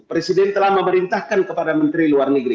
presiden telah memerintahkan kepada menteri luar negeri